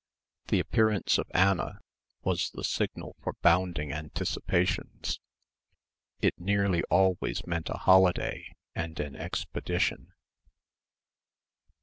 The appearance of Anna was the signal for bounding anticipations. It nearly always meant a holiday and an expedition.